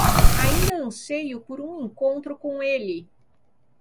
Ainda anseio por um encontro com ele.